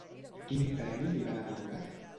Quin premi li van atorgar?